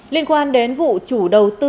liên quan đến vụ chủ đầu tư